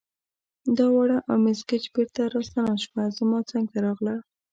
دا ولاړه او مس ګېج بیرته راستنه شوه، زما څنګ ته راغله.